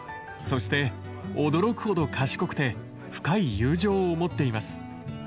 そして驚くほど賢くて深い友情を持っています。